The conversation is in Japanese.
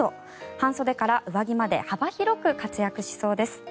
半袖から上着まで幅広く活躍しそうです。